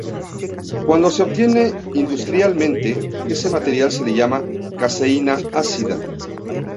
Cuando se obtiene industrialmente, este material se le llama "caseína ácida".